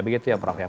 begitu ya prof ya